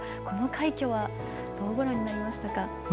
この快挙はどうご覧になりましたか？